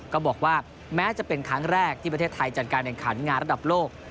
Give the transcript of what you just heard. ก็บอกว่าแม้จะเป็นครั้งแรกที่ประเทศไทยจัดการแห่งขันงานระดับโลก